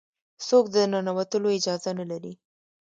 څوک د ننوتلو اجازه نه لري.